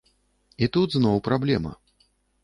І тут зноў праблема.